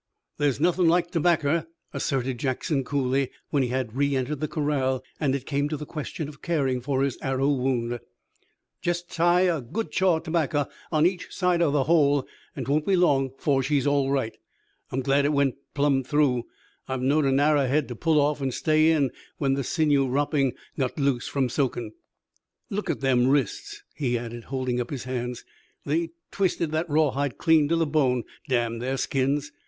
"There's nothing like tobacker," asserted Jackson coolly when he had reëntered the corral and it came to the question of caring for his arrow wound. "Jest tie on a good chaw o' tobacker on each side o' that hole an' 'twon't be long afore she's all right. I'm glad it went plumb through. I've knowed a arrerhead to pull off an' stay in when the sinew wroppin's got loose from soakin'. "Look at them wrists," he added, holding up his hands. "They twisted that rawhide clean to the bone, damn their skins!